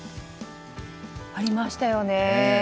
ありましたよね。